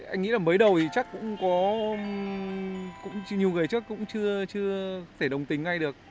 anh nghĩ là mới đầu thì chắc cũng có nhiều người trước cũng chưa đồng tình ngay được